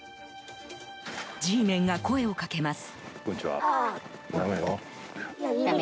Ｇメンが声をかけます。